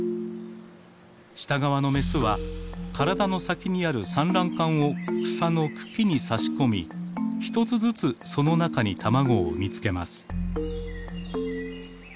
下側のメスは体の先にある産卵管を草の茎に差し込み１つずつその中に卵を産み付けます。